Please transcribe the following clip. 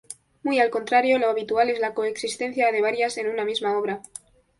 Muy al contrario, lo habitual es la coexistencia de varias en una misma obra.